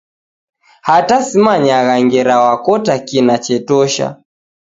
Hata simanyagha ngera w'akota kina chetosha